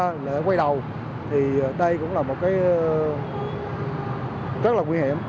lực lượng quay đầu thì đây cũng là một cái rất là nguy hiểm